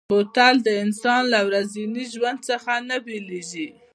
بوتل د انسان له ورځني ژوند څخه نه بېلېږي.